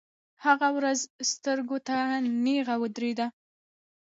هغه ورځ سترګو ته نیغه ودرېده.